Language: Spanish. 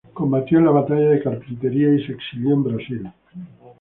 Combatió en la batalla de Carpintería y se exilió en Brasil.